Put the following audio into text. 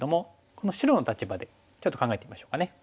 この白の立場でちょっと考えてみましょうかね。